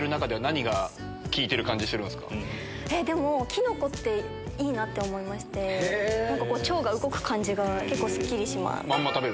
キノコっていいなって思いまして腸が動く感じが結構スッキリします。